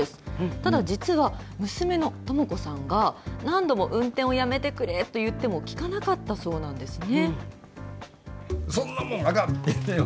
ただ実は娘の智子さんが何度も運転をやめてくれてと言っても聞かなかったそうなんですね。